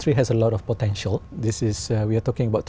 thật ra tôi không thể nhận thức hà nội nữa